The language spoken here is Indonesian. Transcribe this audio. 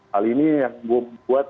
hal ini yang membuat